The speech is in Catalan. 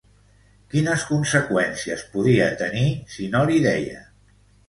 Quines conseqüències podia tenir si no li deia?